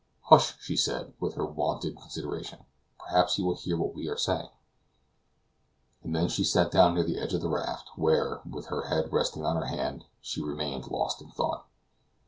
"Hush!" she said, with her wonted consideration, "perhaps he will hear what we are saying." And then she sat down near the edge of the raft, where, with her head resting on her hands, she remained lost in thought.